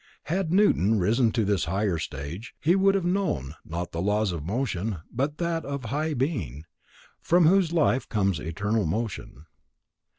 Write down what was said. Had Newton risen to this higher stage, he would have known, not the laws of motion, but that high Being, from whose Life comes eternal motion.